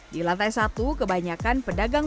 di lantai satu kebanyakan pedagang